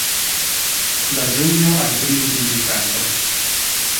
Da giugno ai primi di dicembre.